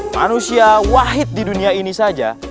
manusia wahid di dunia ini saja